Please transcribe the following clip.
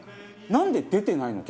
なんで出てないの？